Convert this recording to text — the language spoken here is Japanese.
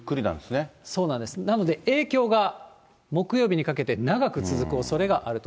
そうなんです、なので、影響が木曜日にかけて長く続くおそれがあると。